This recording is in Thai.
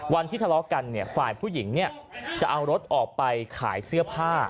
วันที่ทะเลาะกันฝ่ายผู้หญิงจะเอารถออกไปขายเสื้อผ้า